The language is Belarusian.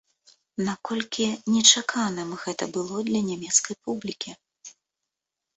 Наколькі нечаканым гэта было для нямецкай публікі?